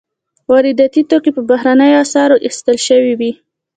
وارداتي توکي په بهرنیو اسعارو اخیستل شوي وي.